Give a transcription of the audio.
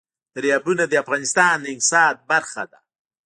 دریابونه د افغانستان د اقتصاد برخه ده.